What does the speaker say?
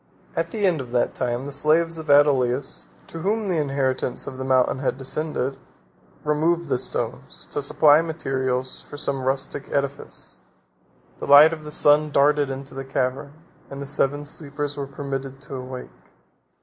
At the end of that time, the slaves of Adolius, to whom the inheritance of the mountain had descended, removed the stones to supply materials for some rustic edifice: the light of the sun darted into the cavern, and the Seven Sleepers were permitted to awake.